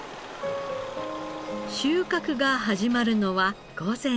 収穫が始まるのは午前５時。